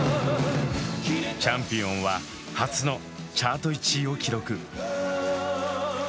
「チャンピオン」は初のチャート１位を記録。